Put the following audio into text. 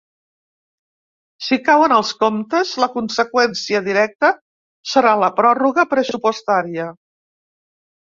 Si cauen els comptes, la conseqüència directa serà la pròrroga pressupostaria.